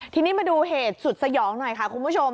ทีนี้มาดูเหตุสุดสยองหน่อยค่ะคุณผู้ชม